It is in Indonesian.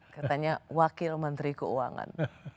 katanya wakil menteri keuangan